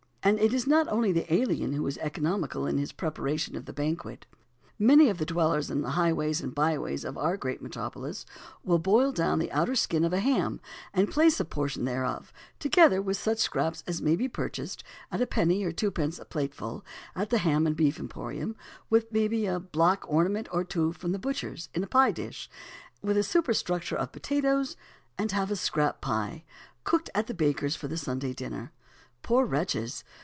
And it is not only the alien who is economical in his preparation of the banquet. Many of the dwellers in the highways and bye ways of our great metropolis will boil down the outer skin of a ham, and place a portion thereof, together with such scraps as may also be purchased, at a penny or twopence the plateful, at the ham and beef emporium, with maybe a "block ornament" or two from the butcher's, in a pie dish, with a superstructure of potatoes, and have the "scrap pie" cooked at the baker's for the Sunday dinner. Poor wretches!